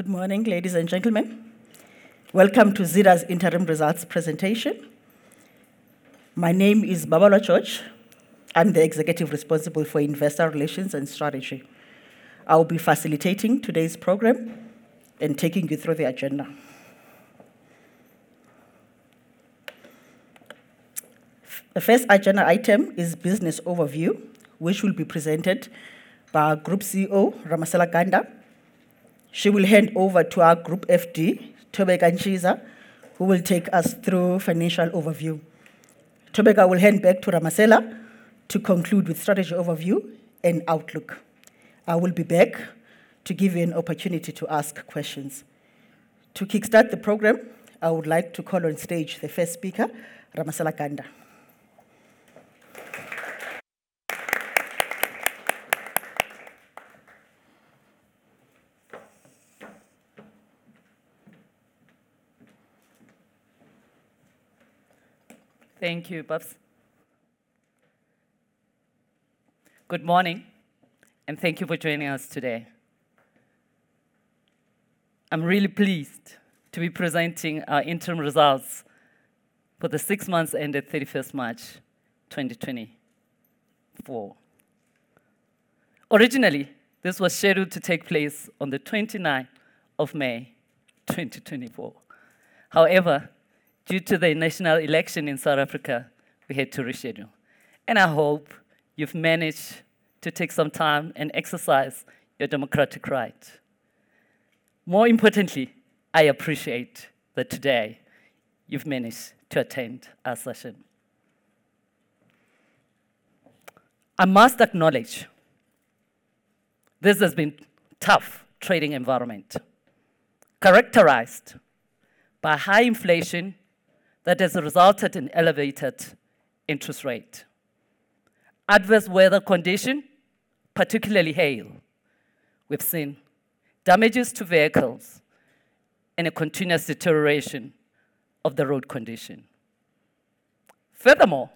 Good morning, ladies and gentlemen. Welcome to Zeda's interim results presentation. My name is Babalwa George. I'm the executive responsible for investor relations and strategy. I'll be facilitating today's program and taking you through the agenda. The first agenda item is business overview, which will be presented by our Group CEO, Ramasela Ganda. She will hand over to our Group FD, Thobeka Ntshiza, who will take us through financial overview. Thobeka will hand back to Ramasela to conclude with strategy overview and outlook. I will be back to give you an opportunity to ask questions. To kickstart the program, I would like to call on stage the first speaker, Ramasela Ganda. Thank you, Babs. Good morning, and thank you for joining us today. I'm really pleased to be presenting our interim results for the six months ended 31st March 2024. Originally, this was scheduled to take place on the 29th of May 2024. However, due to the national election in South Africa, we had to reschedule, and I hope you've managed to take some time and exercise your democratic right. More importantly, I appreciate that today you've managed to attend our session. I must acknowledge this has been tough trading environment, characterized by high inflation that has resulted in elevated interest rate, adverse weather condition, particularly hail. We've seen damages to vehicles and a continuous deterioration of the road condition. Furthermore,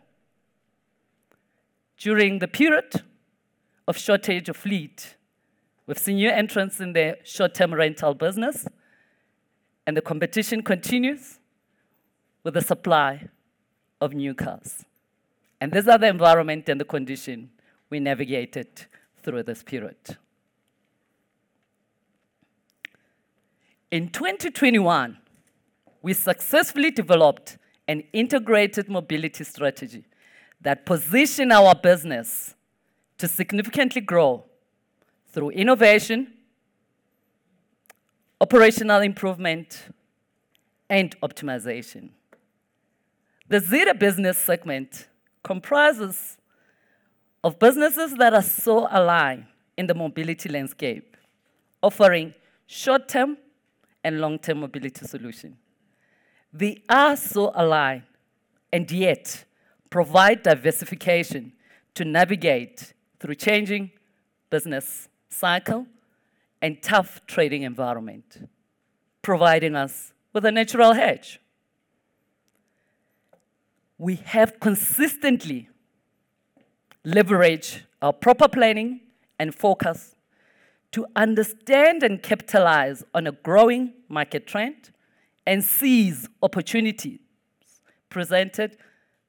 during the period of shortage of fleet, we've seen new entrants in the short-term rental business, and the competition continues with the supply of new cars, and these are the environment and the condition we navigated through this period. In 2021, we successfully developed an integrated mobility strategy that position our business to significantly grow through innovation, operational improvement, and optimization. The Zeda business segment comprises of businesses that are so aligned in the mobility landscape, offering short-term and long-term mobility solution. They are so aligned and yet provide diversification to navigate through changing business cycle and tough trading environment, providing us with a natural hedge. We have consistently leveraged our proper planning and focus to understand and capitalize on a growing market trend and seize opportunities presented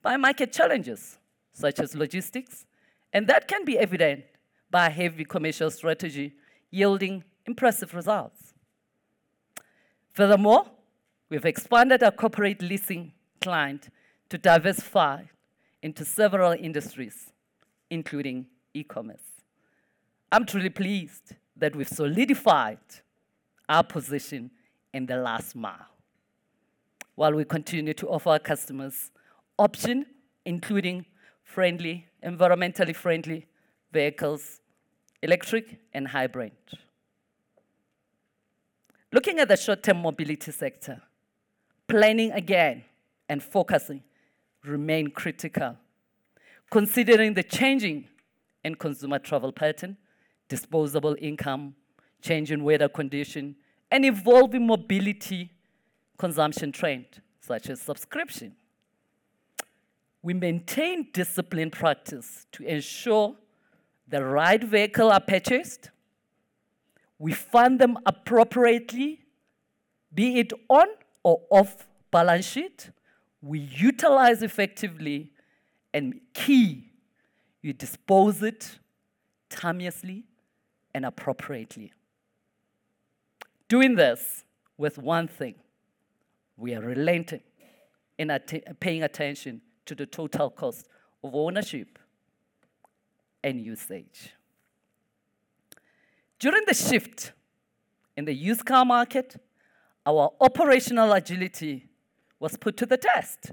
by market challenges, such as logistics, and that can be evident by heavy commercial strategy yielding impressive results. Furthermore, we've expanded our corporate leasing client to diversify into several industries, including e-commerce. I'm truly pleased that we've solidified our position in the last mile, while we continue to offer our customers option, including environmentally friendly vehicles, electric and hybrid. Looking at the short-term mobility sector, planning again and focusing remain critical. Considering the changing in consumer travel pattern, disposable income, change in weather condition, and evolving mobility consumption trend, such as subscription, we maintain disciplined practice to ensure the right vehicle are purchased, we fund them appropriately, be it on or off balance sheet, we utilize effectively, and key, we dispose it timeously and appropriately. Doing this with one thing, we are relentless in paying attention to the total cost of ownership and usage. During the shift in the used car market, our operational agility was put to the test.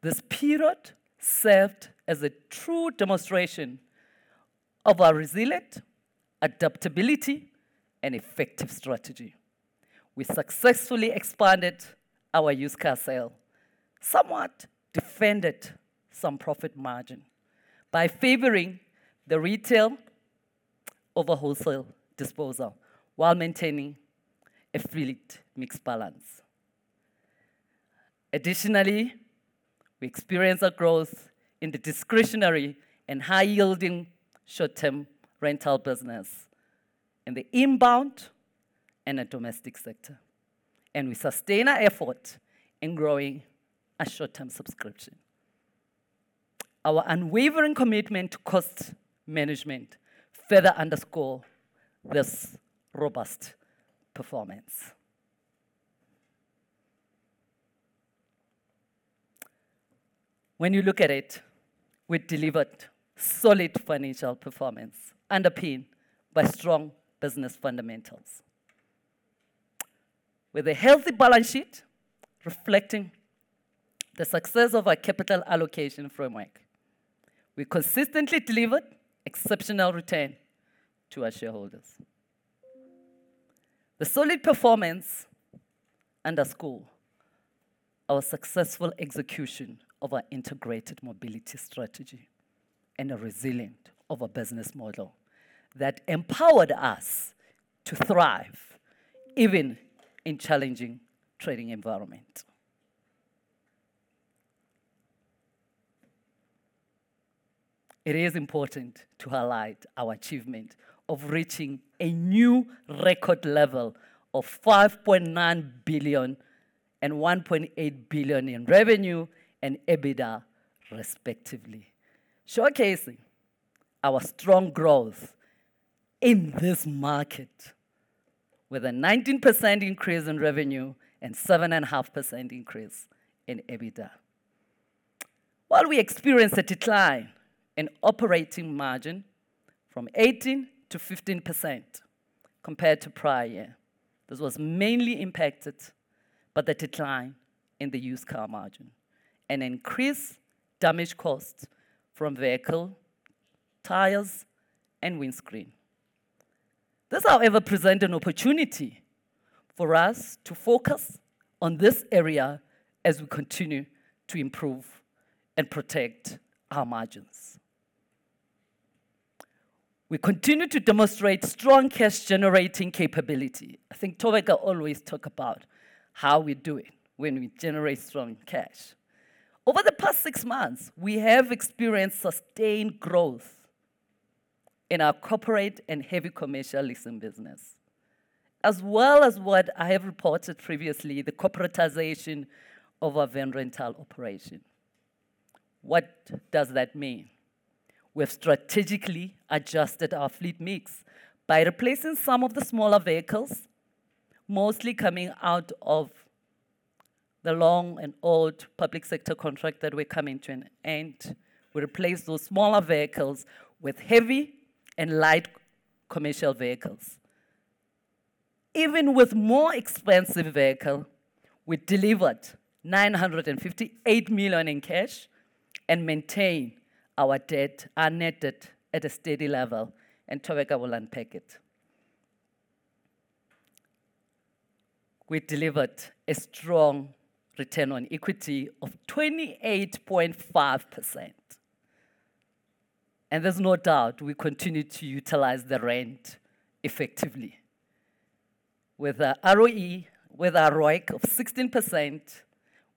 This period served as a true demonstration of our resilient adaptability and effective strategy. We successfully expanded our used car sales, somewhat defended some profit margin by favoring the retail over wholesale disposal, while maintaining a fleet mix balance. Additionally, we experienced a growth in the discretionary and high-yielding short-term rental business in the inbound and the domestic sector, and we sustain our effort in growing our short-term subscription. Our unwavering commitment to cost management further underscores this robust performance. When you look at it, we delivered solid financial performance, underpinned by strong business fundamentals. With a healthy balance sheet reflecting the success of our capital allocation framework, we consistently delivered exceptional returns to our shareholders. The solid performance underscores our successful execution of our integrated mobility strategy, and the resilience of our business model that empowered us to thrive even in challenging trading environment. It is important to highlight our achievement of reaching a new record level of 5.9 billion and 1.8 billion in revenue and EBITDA, respectively, showcasing our strong growth in this market, with a 19% increase in revenue and 7.5% increase in EBITDA. While we experienced a decline in operating margin from 18%-15% compared to prior year, this was mainly impacted by the decline in the used car margin and increased damage costs from vehicle tires and windshield. This, however, present an opportunity for us to focus on this area as we continue to improve and protect our margins. We continue to demonstrate strong cash-generating capability. I think Thobeka always talk about how we do it when we generate strong cash. Over the past six months, we have experienced sustained growth in our corporate and heavy commercial leasing business, as well as what I have reported previously, the corporatization of our van rental operation. What does that mean? We have strategically adjusted our fleet mix by replacing some of the smaller vehicles, mostly coming out of the long and old public sector contract that we're coming to an end. We replaced those smaller vehicles with heavy and light commercial vehicles. Even with more expensive vehicle, we delivered 958 million in cash and maintain our debt, our net debt, at a steady level, and Thobeka will unpack it. We delivered a strong return on equity of 28.5%, and there's no doubt we continue to utilize the ROE effectively, with a ROE, with a ROIC of 16%,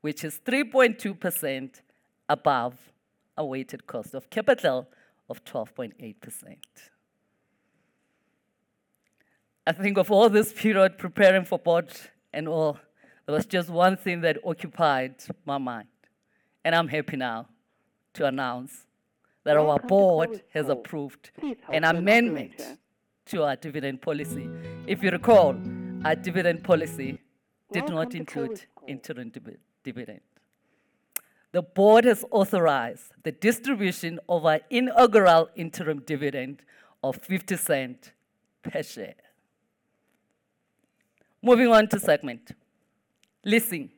which is 3.2% above our weighted cost of capital of 12.8%. I think of all this period preparing for board and all, there was just one thing that occupied my mind, and I'm happy now to announce that our board has approved an amendment to our dividend policy. If you recall, our dividend policy did not include interim dividend. The board has authorized the distribution of our inaugural interim dividend of 0.50 per share. Moving on to segment. Leasing.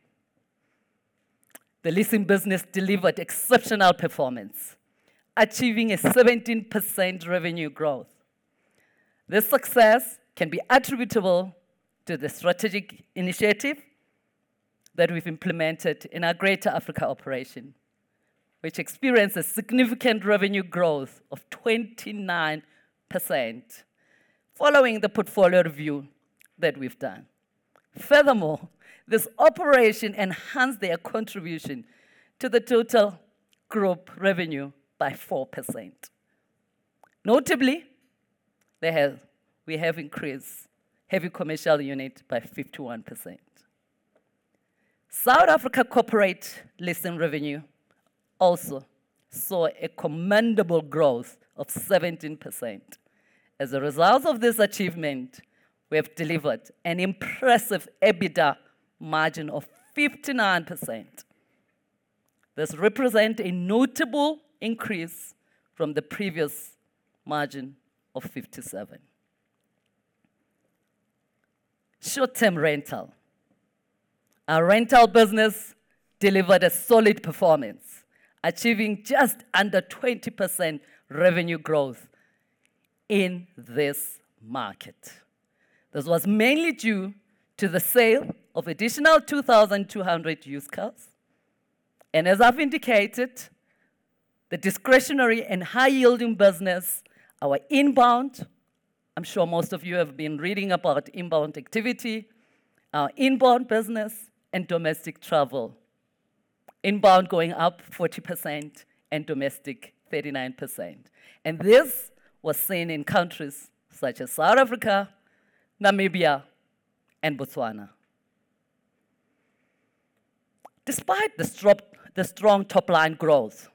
The leasing business delivered exceptional performance, achieving a 17% revenue growth. This success can be attributable to the strategic initiative that we've implemented in our Greater Africa operation, which experienced a significant revenue growth of 29%, following the portfolio review that we've done. Furthermore, this operation enhanced their contribution to the total group revenue by 4%. Notably, we have increased heavy commercial unit by 51%. South Africa corporate leasing revenue also saw a commendable growth of 17%. As a result of this achievement, we have delivered an impressive EBITDA margin of 59%. This represent a notable increase from the previous margin of 57. Short-term rental. Our rental business delivered a solid performance, achieving just under 20% revenue growth in this market. This was mainly due to the sale of additional 2,200 used cars, and as I've indicated-... The discretionary and high-yielding business, our inbound, I'm sure most of you have been reading about inbound activity, our inbound business, and domestic travel. Inbound going up 40%, and domestic 39%, and this was seen in countries such as South Africa, Namibia, and Botswana. Despite the strong top-line growth,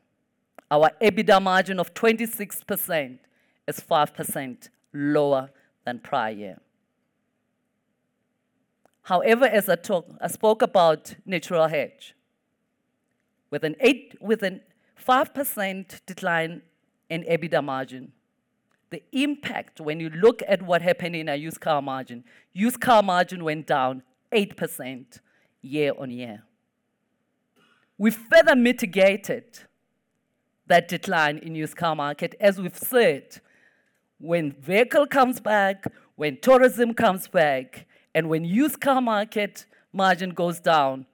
our EBITDA margin of 26% is 5% lower than prior year. However, I spoke about natural hedge. With a 5% decline in EBITDA margin, the impact when you look at what happened in our used car margin, used car margin went down 8% year-on-year. We further mitigated that decline in used car market, as we've said, when vehicle comes back, when tourism comes back, and when used car market margin goes down,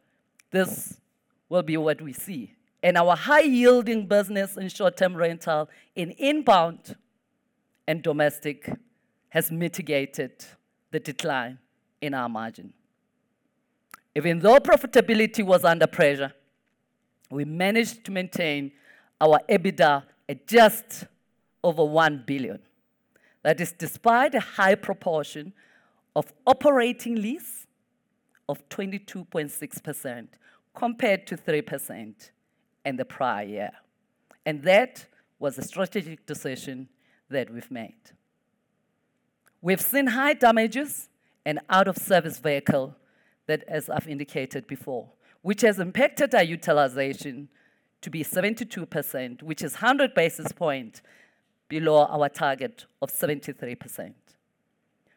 this will be what we see. Our high-yielding business in short-term rental in inbound and domestic has mitigated the decline in our margin. Even though profitability was under pressure, we managed to maintain our EBITDA at just over 1 billion. That is despite a high proportion of operating lease of 22.6%, compared to 3% in the prior year, and that was a strategic decision that we've made. We've seen high damages and out-of-service vehicle that, as I've indicated before, which has impacted our utilization to be 72%, which is 100 basis points below our target of 73%.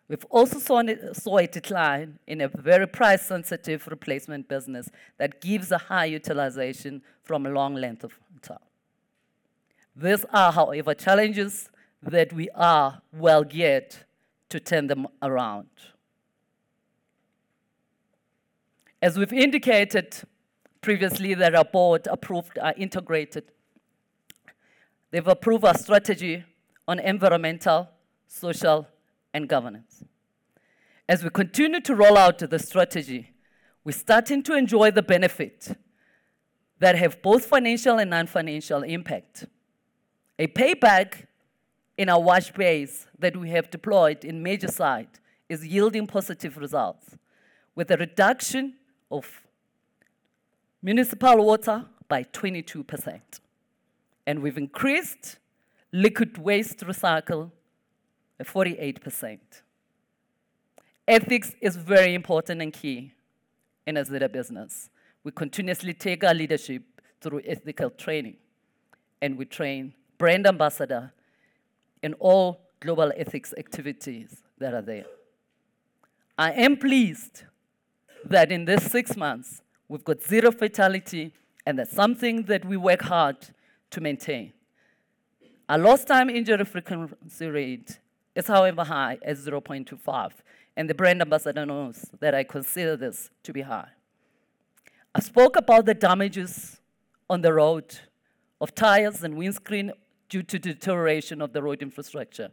We've also seen a decline in a very price-sensitive replacement business that gives a high utilization from a long length of term. These are, however, challenges that we are well geared to turn them around. As we've indicated previously, the report approved our integrated... They've approved our strategy on environmental, social, and governance. As we continue to roll out the strategy, we're starting to enjoy the benefit that have both financial and non-financial impact. A payback in our wash bays that we have deployed in major site is yielding positive results, with a reduction of municipal water by 22%, and we've increased liquid waste recycle at 48%. Ethics is very important and key in a Zeda business. We continuously take our leadership through ethical training, and we train Brand Ambassador in all global ethics activities that are there. I am pleased that in this six months we've got zero fatality, and that's something that we work hard to maintain. Our lost time injury frequency rate is, however, high at 0.25, and the Brand Ambassador knows that I consider this to be high. I spoke about the damages on the road of tires and windscreen due to deterioration of the road infrastructure,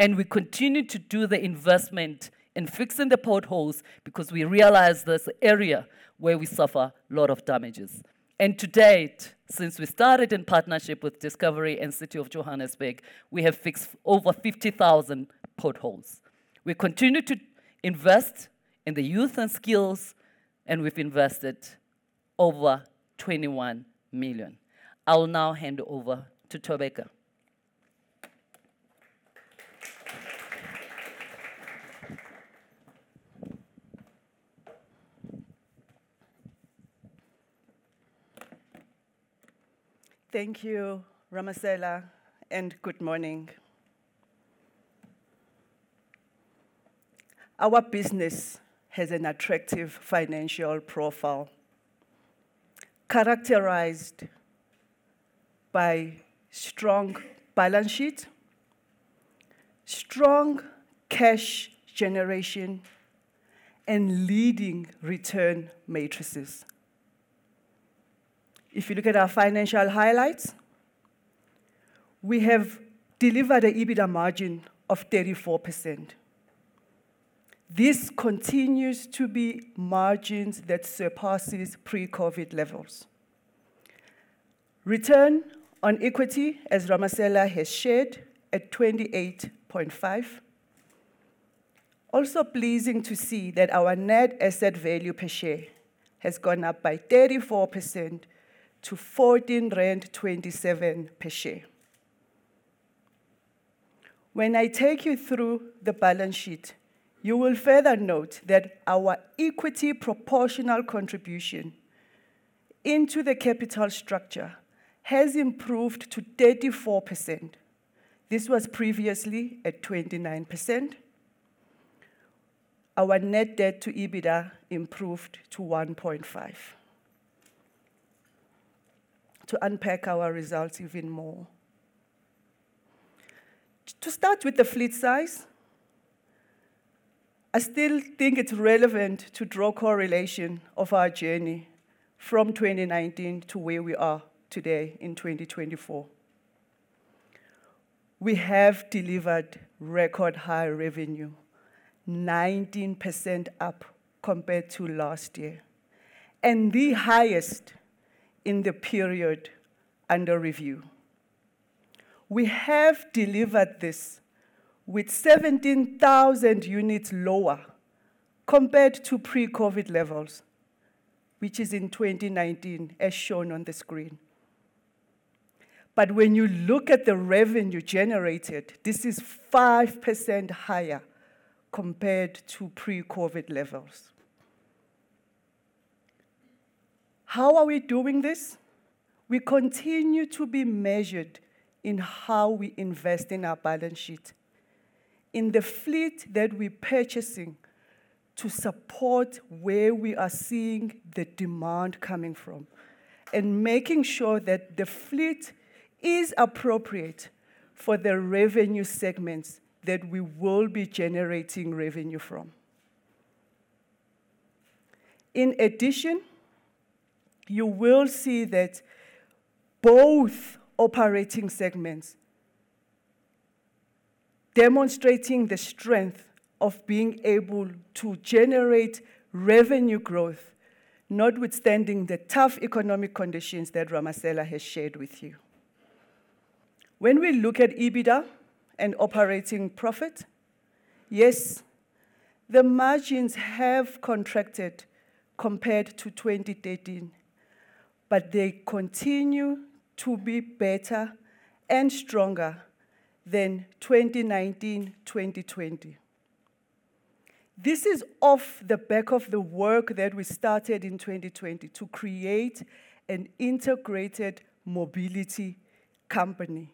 and we continue to do the investment in fixing the potholes because we realize this area where we suffer a lot of damages. To date, since we started in partnership with Discovery and City of Johannesburg, we have fixed over 50,000 potholes. We continue to invest in the youth and skills, and we've invested over 21 million. I will now hand over to Thobeka. Thank you, Ramasela, and good morning. Our business has an attractive financial profile, characterized by strong balance sheet, strong cash generation, and leading return metrics. If you look at our financial highlights, we have delivered an EBITDA margin of 34%. This continues to be margins that surpasses pre-COVID levels. Return on equity, as Ramasela has shared, at 28.5. Also pleasing to see that our net asset value per share has gone up by 34% to 14.27 per share. When I take you through the balance sheet, you will further note that our equity proportional contribution into the capital structure has improved to 34%. This was previously at 29%. Our net debt to EBITDA improved to 1.5. To unpack our results even more-... To start with the fleet size, I still think it's relevant to draw correlation of our journey from 2019 to where we are today in 2024. We have delivered record high revenue, 19% up compared to last year, and the highest in the period under review. We have delivered this with 17,000 units lower compared to pre-COVID levels, which is in 2019, as shown on the screen. But when you look at the revenue generated, this is 5% higher compared to pre-COVID levels. How are we doing this? We continue to be measured in how we invest in our balance sheet, in the fleet that we're purchasing to support where we are seeing the demand coming from, and making sure that the fleet is appropriate for the revenue segments that we will be generating revenue from. In addition, you will see that both operating segments demonstrating the strength of being able to generate revenue growth, notwithstanding the tough economic conditions that Ramasela has shared with you. When we look at EBITDA and operating profit, yes, the margins have contracted compared to 2013, but they continue to be better and stronger than 2019, 2020. This is off the back of the work that we started in 2020 to create an integrated mobility company,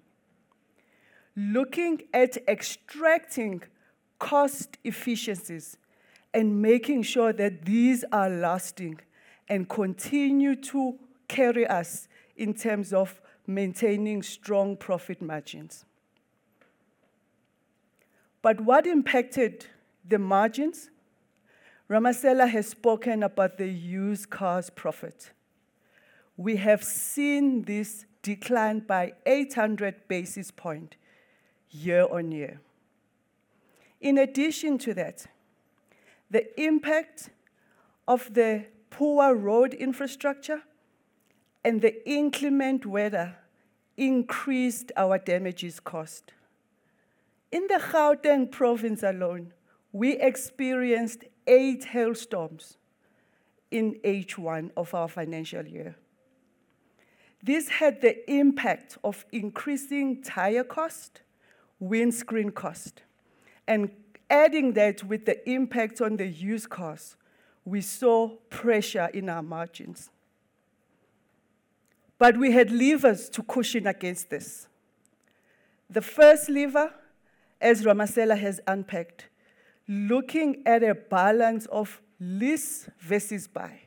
looking at extracting cost efficiencies and making sure that these are lasting and continue to carry us in terms of maintaining strong profit margins. But what impacted the margins? Ramasela has spoken about the used cars profit. We have seen this decline by 800 basis points year-on-year. In addition to that, the impact of the poor road infrastructure and the inclement weather increased our damages cost. In the Gauteng province alone, we experienced eight hailstorms in H1 of our financial year. This had the impact of increasing tire cost, windshield cost, and adding that with the impact on the used cars, we saw pressure in our margins. But we had levers to cushion against this. The first lever, as Ramasela has unpacked, looking at a balance of lease versus buy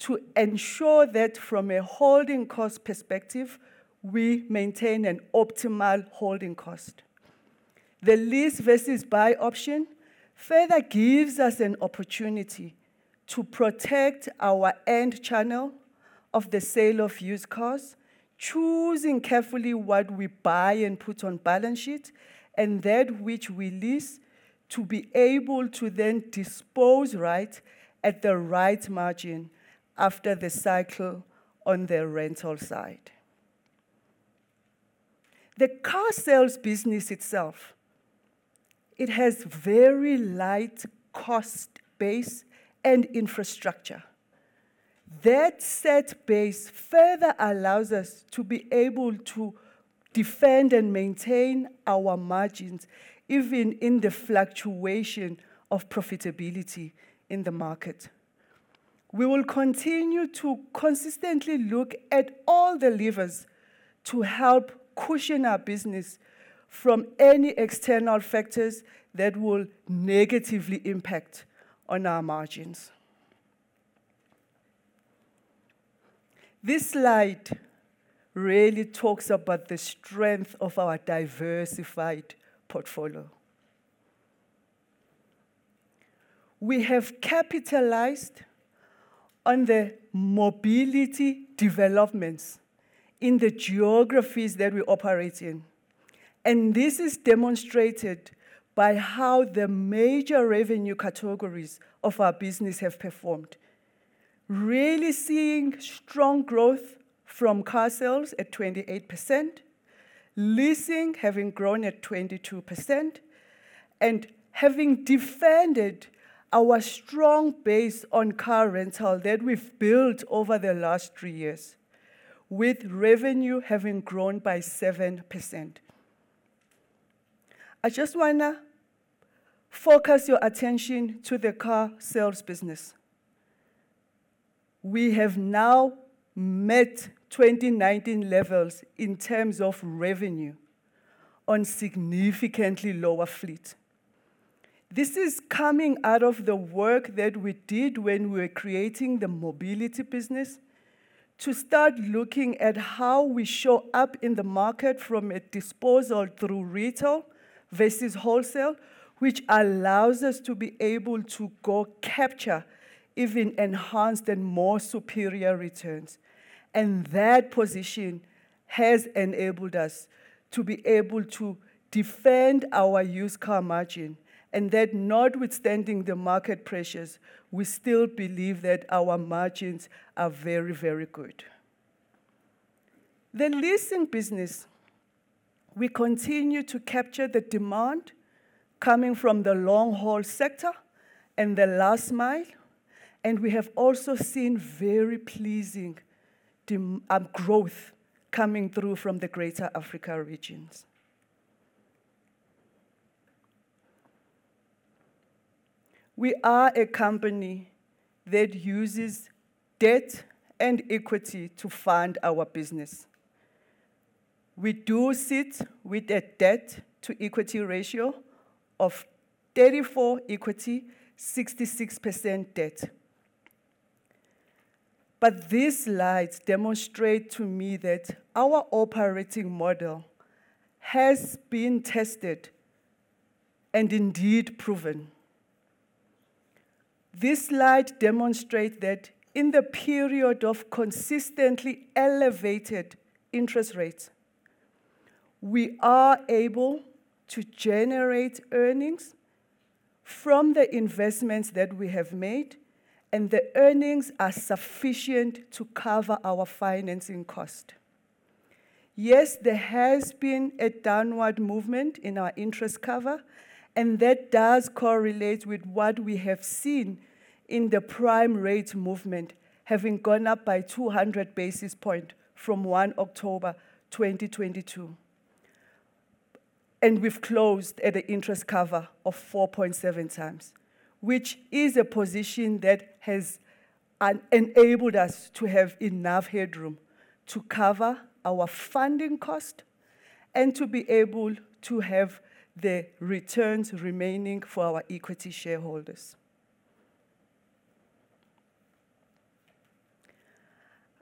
to ensure that from a holding cost perspective, we maintain an optimal holding cost. The lease versus buy option further gives us an opportunity to protect our end channel of the sale of used cars, choosing carefully what we buy and put on balance sheet, and that which we lease to be able to then dispose right at the right margin after the cycle on the rental side. The car sales business itself, it has very light cost base and infrastructure. That set base further allows us to be able to defend and maintain our margins, even in the fluctuation of profitability in the market. We will continue to consistently look at all the levers to help cushion our business from any external factors that will negatively impact on our margins. This slide really talks about the strength of our diversified portfolio. We have capitalized on the mobility developments in the geographies that we operate in, and this is demonstrated by how the major revenue categories of our business have performed. Really seeing strong growth from car sales at 28%, leasing having grown at 22%, and having defended our strong base on car rental that we've built over the last three years, with revenue having grown by 7%. I just wanna focus your attention to the car sales business. We have now met 2019 levels in terms of revenue on significantly lower fleet. This is coming out of the work that we did when we were creating the mobility business, to start looking at how we show up in the market from a disposal through retail versus wholesale, which allows us to be able to go capture even enhanced and more superior returns. And that position has enabled us to be able to defend our used car margin, and that notwithstanding the market pressures, we still believe that our margins are very, very good. The leasing business, we continue to capture the demand coming from the long-haul sector and the last mile, and we have also seen very pleasing demand growth coming through from the Greater Africa regions. We are a company that uses debt and equity to fund our business. We do sit with a debt-to-equity ratio of 34 equity, 66% debt. But these slides demonstrate to me that our operating model has been tested and indeed proven. This slide demonstrate that in the period of consistently elevated interest rates, we are able to generate earnings from the investments that we have made, and the earnings are sufficient to cover our financing cost. Yes, there has been a downward movement in our interest cover, and that does correlate with what we have seen in the prime rate movement, having gone up by 200 basis points from 1 October 2022. And we've closed at an interest cover of 4.7 times, which is a position that has enabled us to have enough headroom to cover our funding cost and to be able to have the returns remaining for our equity shareholders.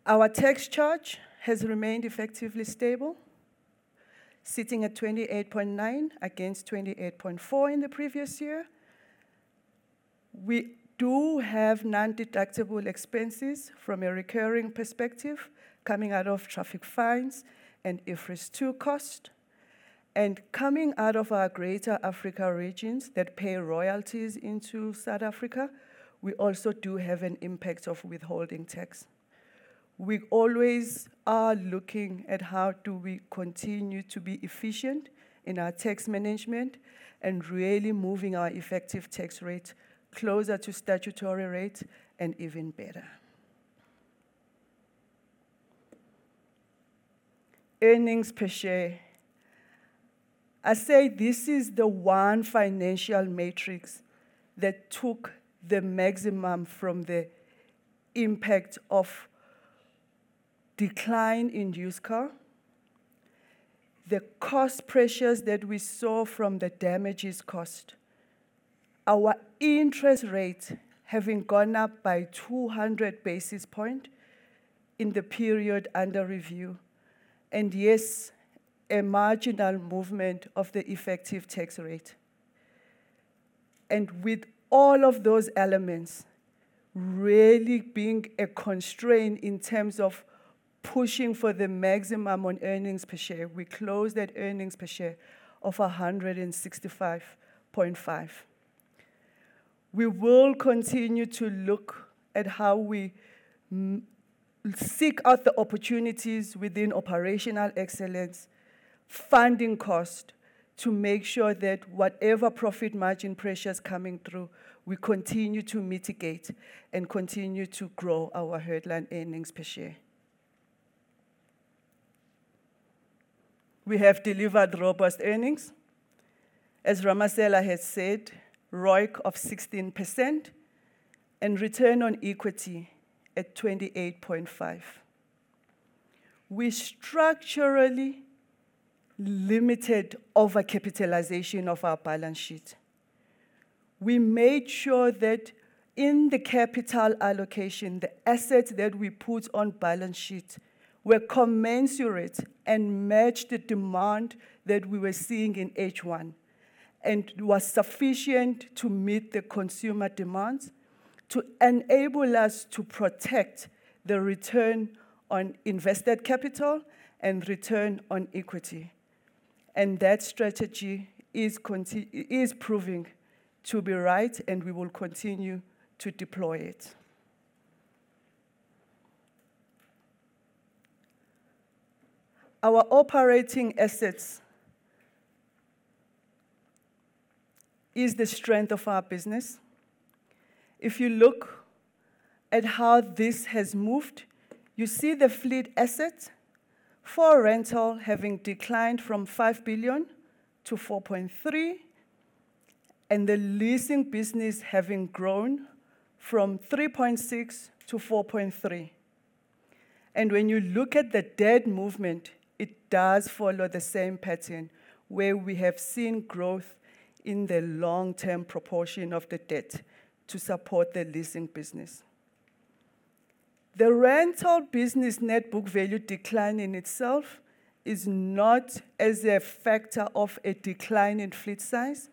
Our tax charge has remained effectively stable, sitting at 28.9 against 28.4 in the previous year. We do have non-deductible expenses from a recurring perspective, coming out of traffic fines and IFRS 2 cost. And coming out of our Greater Africa regions that pay royalties into South Africa, we also do have an impact of withholding tax. We always are looking at how do we continue to be efficient in our tax management and really moving our effective tax rate closer to statutory rate and even better. Earnings per share. I say this is the one financial matrix that took the maximum from the impact of decline in used car, the cost pressures that we saw from the damages cost, our interest rate having gone up by 200 basis points in the period under review, and yes, a marginal movement of the effective tax rate. With all of those elements really being a constraint in terms of pushing for the maximum on earnings per share, we closed at earnings per share of 165.5. We will continue to look at how we seek out the opportunities within operational excellence, funding cost, to make sure that whatever profit margin pressure's coming through, we continue to mitigate and continue to grow our headline earnings per share. We have delivered robust earnings. As Ramasela has said, ROIC of 16% and return on equity at 28.5%. We structurally limited overcapitalization of our balance sheet. We made sure that in the capital allocation, the assets that we put on balance sheet were commensurate and matched the demand that we were seeing in H1, and was sufficient to meet the consumer demands to enable us to protect the return on invested capital and return on equity, and that strategy is proving to be right, and we will continue to deploy it. Our operating assets is the strength of our business. If you look at how this has moved, you see the fleet assets for rental having declined from 5 billion to 4.3 billion, and the leasing business having grown from 3.6 billion to 4.3 billion.... When you look at the debt movement, it does follow the same pattern, where we have seen growth in the long-term proportion of the debt to support the leasing business. The rental business net book value decline in itself is not as a factor of a decline in fleet size,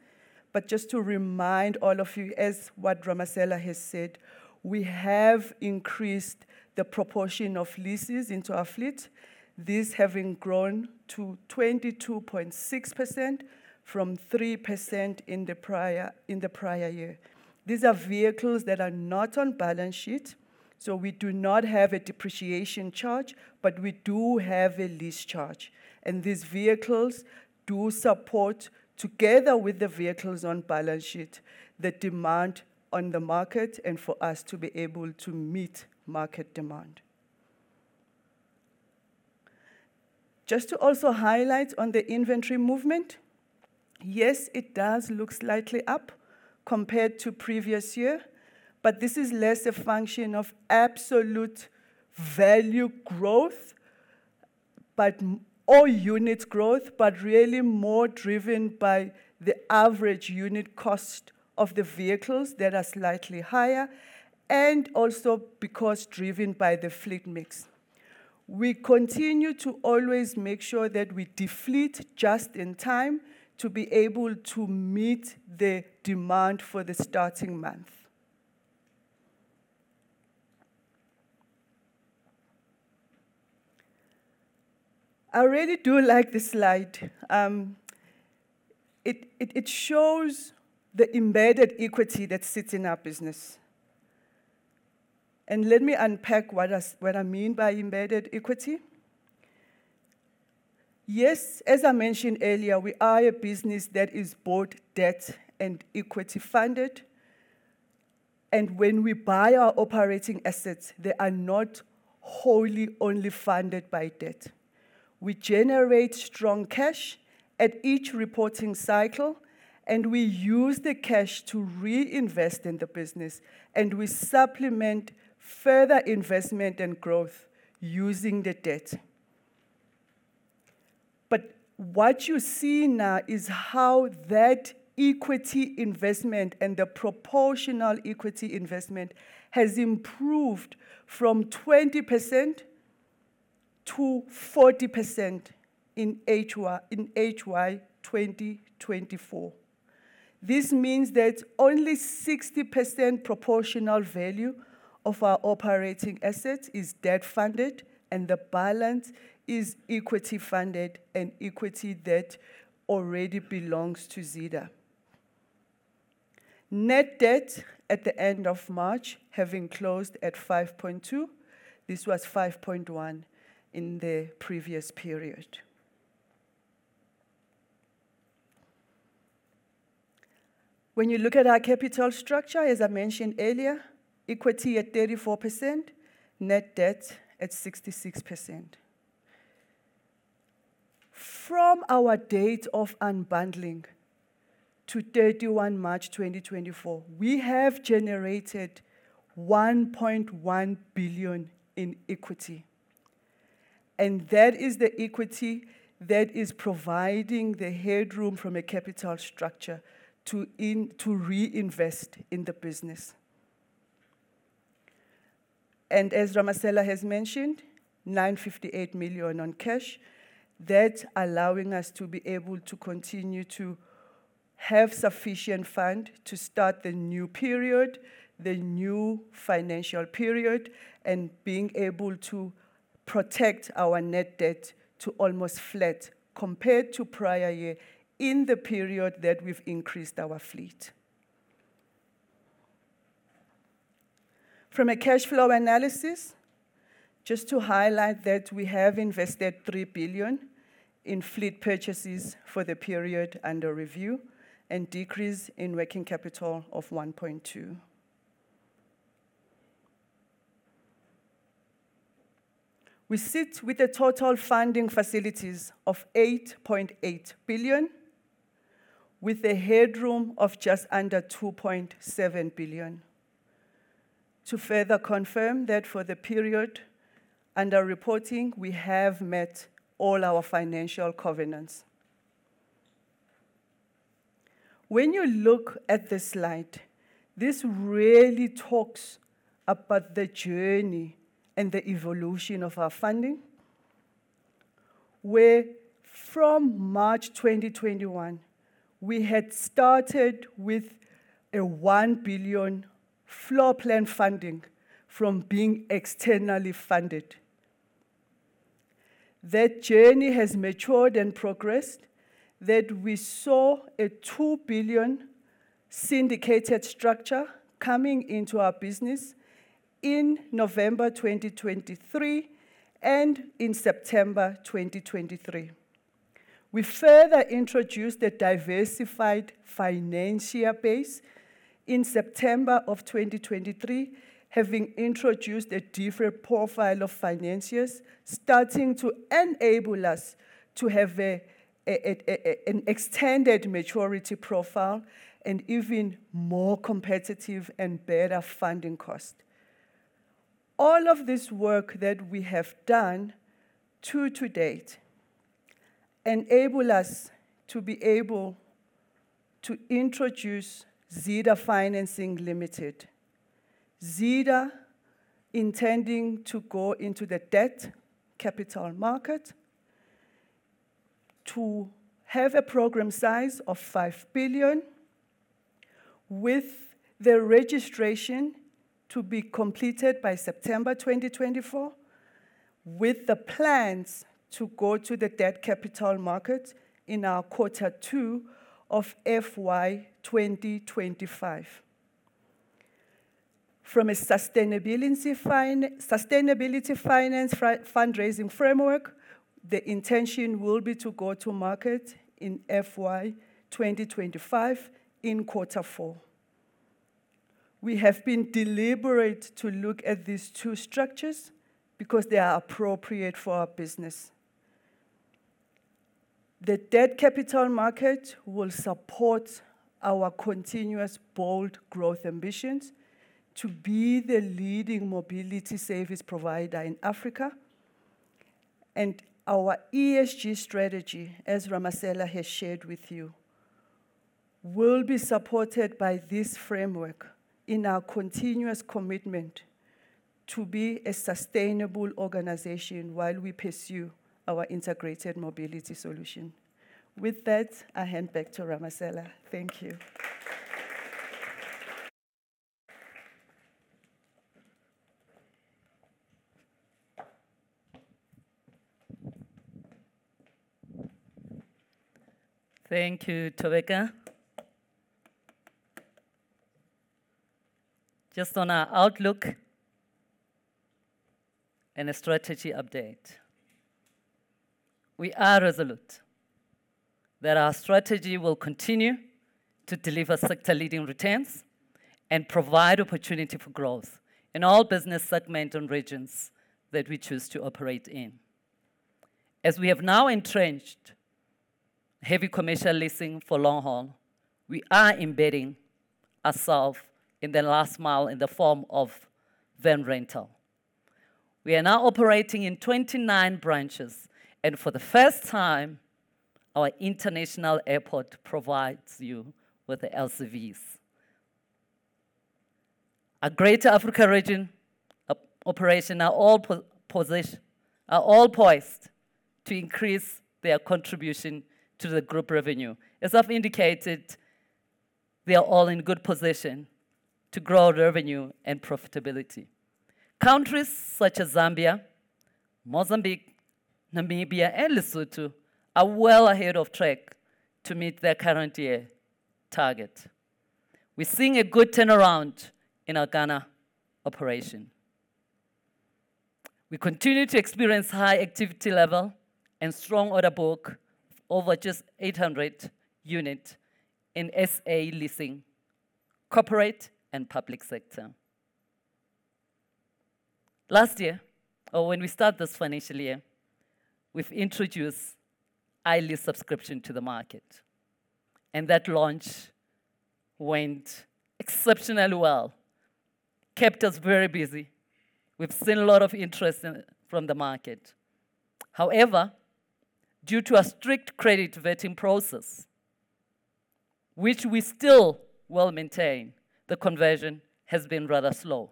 but just to remind all of you, as what Ramasela has said, we have increased the proportion of leases into our fleet, this having grown to 22.6% from 3% in the prior year. These are vehicles that are not on balance sheet, so we do not have a depreciation charge, but we do have a lease charge, and these vehicles do support, together with the vehicles on balance sheet, the demand on the market and for us to be able to meet market demand. Just to also highlight on the inventory movement, yes, it does look slightly up compared to previous year, but this is less a function of absolute value growth, but, or unit growth, but really more driven by the average unit cost of the vehicles that are slightly higher, and also because driven by the fleet mix. We continue to always make sure that we defleet just in time to be able to meet the demand for the starting month. I really do like this slide. It shows the embedded equity that sits in our business, and let me unpack what I mean by embedded equity. Yes, as I mentioned earlier, we are a business that is both debt and equity funded, and when we buy our operating assets, they are not wholly only funded by debt. We generate strong cash at each reporting cycle, and we use the cash to reinvest in the business, and we supplement further investment and growth using the debt. But what you see now is how that equity investment and the proportional equity investment has improved from 20% to 40% in HY, in HY 2024. This means that only 60% proportional value of our operating assets is debt-funded, and the balance is equity-funded, and equity debt already belongs to Zeda. Net debt at the end of March, having closed at 5.2, this was 5.1 in the previous period. When you look at our capital structure, as I mentioned earlier, equity at 34%, net debt at 66%. From our date of unbundling to 31 March 2024, we have generated 1.1 billion in equity, and that is the equity that is providing the headroom from a capital structure to reinvest in the business. And as Ramasela has mentioned, 958 million in cash. That's allowing us to be able to continue to have sufficient fund to start the new period, the new financial period, and being able to protect our net debt to almost flat compared to prior year in the period that we've increased our fleet. From a cash flow analysis, just to highlight that we have invested 3 billion in fleet purchases for the period under review, and decrease in working capital of 1.2 billion. We sit with a total funding facilities of 8.8 billion, with a headroom of just under 2.7 billion. To further confirm that for the period under reporting, we have met all our financial covenants. When you look at this slide, this really talks about the journey and the evolution of our funding, where from March 2021, we had started with a 1 billion floor plan funding from being externally funded. That journey has matured and progressed, that we saw a 2 billion syndicated structure coming into our business in November 2023, and in September 2023. We further introduced a diversified financier base in September of 2023, having introduced a different profile of financiers, starting to enable us to have an extended maturity profile and even more competitive and better funding cost. All of this work that we have done to date enable us to be able to introduce Zeda Financing Limited. Zeda, intending to go into the debt capital market, to have a program size of 5 billion, with the registration to be completed by September 2024, with the plans to go to the debt capital market in our quarter two of FY 2025. From a sustainability finance fundraising framework, the intention will be to go to market in FY 2025 in quarter four. We have been deliberate to look at these two structures because they are appropriate for our business. The debt capital market will support our continuous bold growth ambitions to be the leading mobility service provider in Africa, and our ESG strategy, as Ramasela has shared with you, will be supported by this framework in our continuous commitment to be a sustainable organization while we pursue our integrated mobility solution. With that, I hand back to Ramasela. Thank you. Thank you, Thobeka. Just on our outlook and a strategy update. We are resolute that our strategy will continue to deliver sector-leading returns and provide opportunity for growth in all business segment and regions that we choose to operate in. As we have now entrenched heavy commercial leasing for long haul, we are embedding ourselves in the last mile in the form of van rental. We are now operating in 29 branches, and for the first time, our international airport provides you with the LCVs. Our Greater Africa region operations are all poised to increase their contribution to the group revenue. As I've indicated, we are all in good position to grow revenue and profitability. Countries such as Zambia, Mozambique, Namibia, and Lesotho are well ahead of track to meet their current year target. We're seeing a good turnaround in our Ghana operation. We continue to experience high activity level and strong order book of over just 800 units in SA Leasing, corporate and public sector. Last year, or when we start this financial year, we've introduced iLease subscription to the market, and that launch went exceptionally well, kept us very busy. We've seen a lot of interest from the market. However, due to a strict credit vetting process, which we still will maintain, the conversion has been rather slow.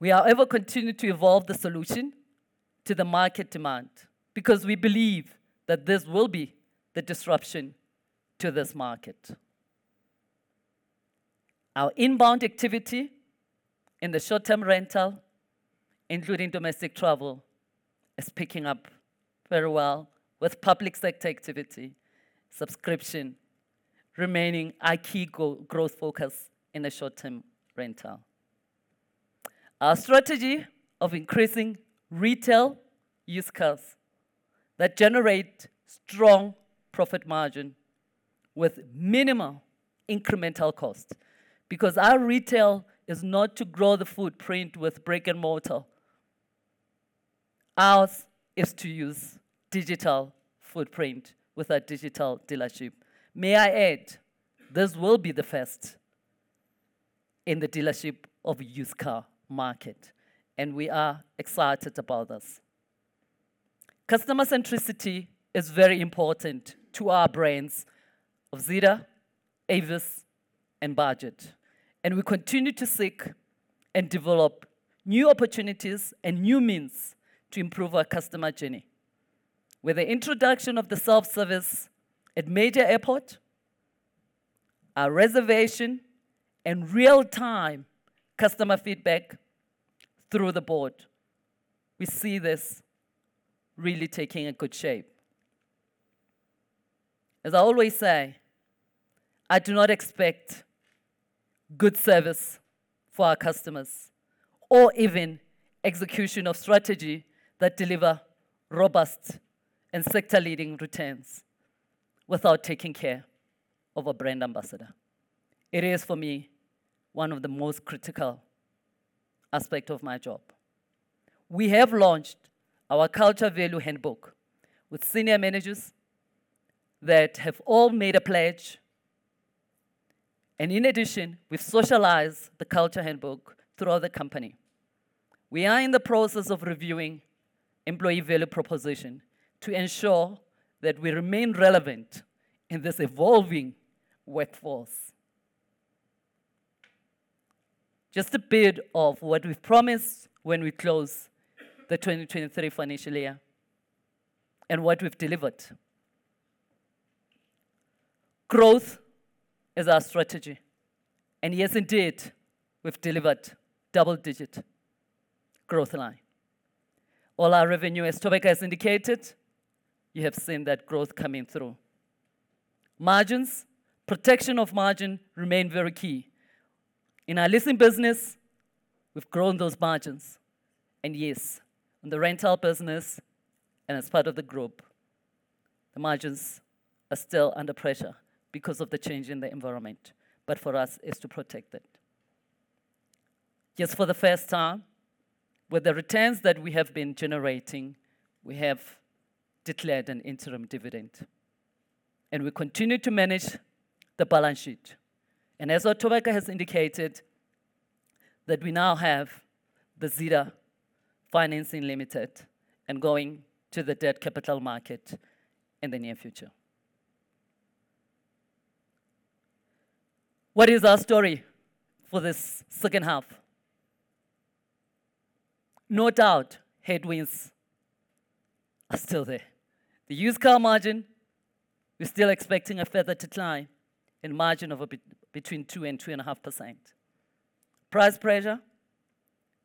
We are ever continued to evolve the solution to the market demand because we believe that this will be the disruption to this market. Our inbound activity in the short-term rental, including domestic travel, is picking up very well with public sector activity, subscription remaining our key growth focus in the short-term rental. Our strategy of increasing retail used cars that generate strong profit margin with minimal incremental cost. Because our retail is not to grow the footprint with brick and mortar, ours is to use digital footprint with a digital dealership. May I add, this will be the first in the dealership of used car market, and we are excited about this. Customer centricity is very important to our brands of Zeda, Avis, and Budget, and we continue to seek and develop new opportunities and new means to improve our customer journey. With the introduction of the self-service at major airport, our reservation and real-time customer feedback through the board, we see this really taking a good shape. As I always say, I do not expect good service for our customers or even execution of strategy that deliver robust and sector-leading returns without taking care of our Brand Ambassador. It is, for me, one of the most critical aspect of my job. We have launched our culture value handbook with senior managers that have all made a pledge. In addition, we've socialized the culture handbook throughout the company. We are in the process of reviewing employee value proposition to ensure that we remain relevant in this evolving workforce. Just a bit of what we've promised when we close the 2023 financial year, and what we've delivered. Growth is our strategy, and yes, indeed, we've delivered double-digit growth line. All our revenue, as Thobeka has indicated, you have seen that growth coming through. Margins, protection of margin remain very key. In our leasing business, we've grown those margins, and yes, in the rental business, and as part of the group, the margins are still under pressure because of the change in the environment, but for us, it's to protect it. Yes, for the first time, with the returns that we have been generating, we have declared an interim dividend, and we continue to manage the balance sheet. As Thobeka has indicated, that we now have the Zeda Financing Limited, and going to the debt capital market in the near future. What is our story for this second half? No doubt, headwinds are still there. The used car margin, we're still expecting a further decline in margin of between 2 and 3.5%. Price pressure,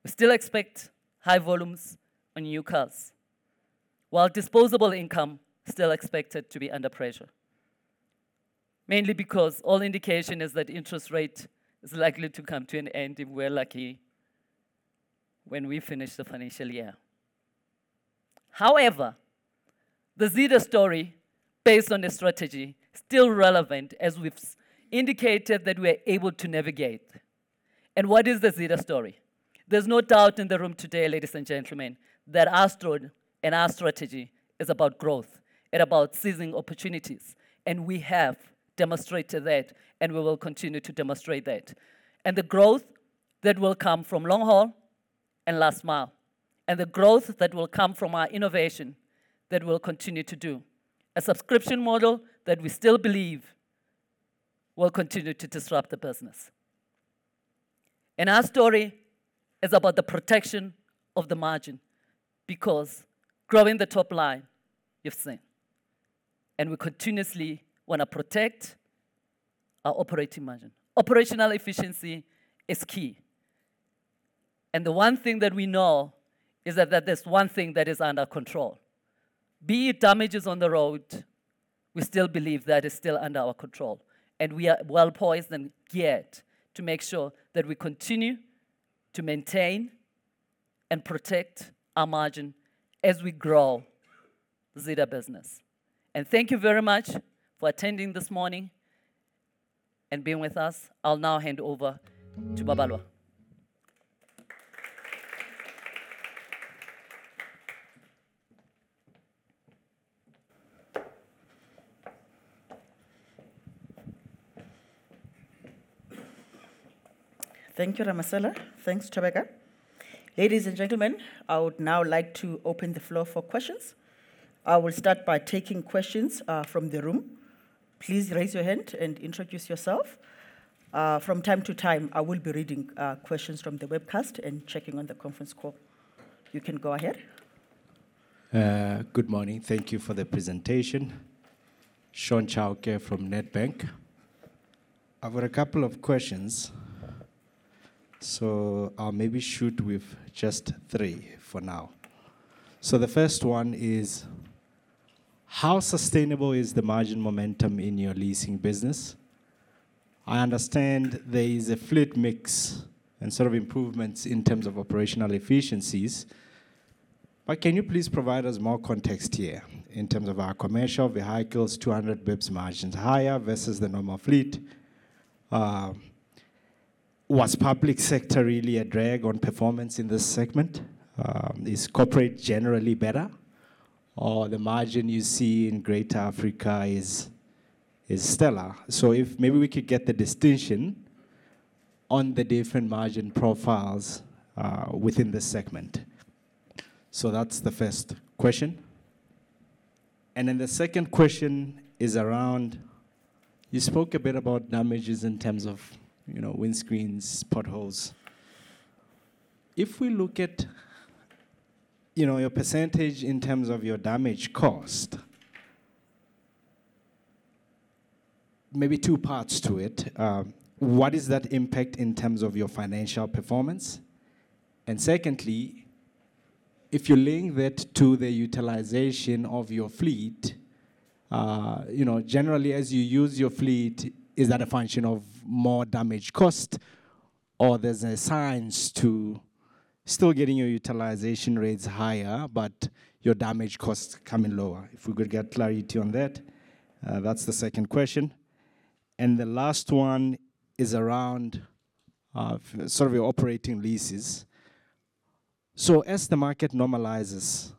we still expect high volumes on new cars, while disposable income still expected to be under pressure, mainly because all indication is that interest rate is likely to come to an end, if we're lucky, when we finish the financial year. However, the Zeda story, based on the strategy, still relevant, as we've indicated that we're able to navigate. What is the Zeda story? There's no doubt in the room today, ladies and gentlemen, that our story and our strategy is about growth and about seizing opportunities, and we have demonstrated that, and we will continue to demonstrate that. The growth that will come from long haul and last mile, and the growth that will come from our innovation that we'll continue to do. A subscription model that we still believe will continue to disrupt the business. Our story is about the protection of the margin, because growing the top line, you've seen, and we continuously want to protect our operating margin. Operational efficiency is key, and the one thing that we know is that, that there's one thing that is under control. Be it damages on the road, we still believe that is still under our control, and we are well poised and geared to make sure that we continue to maintain and protect our margin as we grow Zeda business. And thank you very much for attending this morning and being with us. I'll now hand over to Babalwa. Thank you, Ramasela. Thanks, Thobeka. Ladies and gentlemen, I would now like to open the floor for questions. I will start by taking questions from the room. Please raise your hand and introduce yourself. From time to time, I will be reading questions from the webcast and checking on the conference call. You can go ahead. Good morning. Thank you for the presentation. Sean Chioke from Nedbank. I've got a couple of questions, so I'll maybe shoot with just three for now. So the first one is: How sustainable is the margin momentum in your leasing business? I understand there is a fleet mix and sort of improvements in terms of operational efficiencies, but can you please provide us more context here in terms of our commercial vehicles, 200 basis points margins higher versus the normal fleet? Was public sector really a drag on performance in this segment? Is corporate generally better, or the margin you see in Greater Africa is stellar? So if maybe we could get the distinction on the different margin profiles within this segment. So that's the first question. And then the second question is around... You spoke a bit about damages in terms of, you know, windscreens, potholes. If we look at, you know, your percentage in terms of your damage cost, maybe two parts to it, what is that impact in terms of your financial performance? And secondly, if you link that to the utilization of your fleet, you know, generally as you use your fleet, is that a function of more damage cost, or there's a science to still getting your utilization rates higher, but your damage costs coming lower? If we could get clarity on that, that's the second question. And the last one is around, sort of your operating leases.... So as the market normalizes,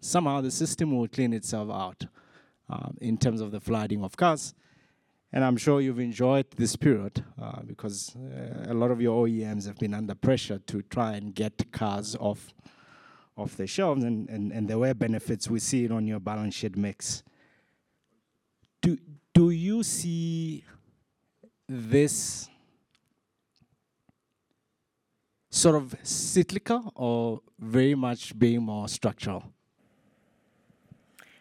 somehow the system will clean itself out, in terms of the flooding of cars. And I'm sure you've enjoyed this period, because a lot of your OEMs have been under pressure to try and get cars off the shelves, and there were benefits we see it on your balance sheet mix. Do you see this sort of cyclical or very much being more structural?